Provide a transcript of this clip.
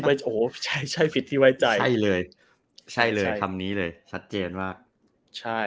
โอ้ใช่ใช่สิทธิ์ที่ไว้ใจใช่เลยใช่เลยคำนี้เลยชัดเจนว่าใช่